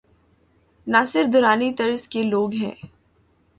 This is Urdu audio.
ناصر درانی طرز کے لو گ ہوں۔